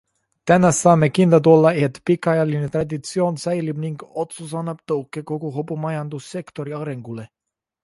Täna saame kindlad olla, et pikaajaline traditsioon säilib ning otsus annab tõuke kogu hobumajandussektori arengule.